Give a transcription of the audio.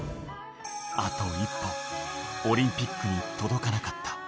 あと一歩、オリンピックに届かなかった。